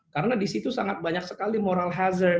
karena disitu sangat banyak sekali moral hazard